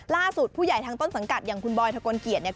ผู้ใหญ่ทางต้นสังกัดอย่างคุณบอยทะกลเกียจเนี่ย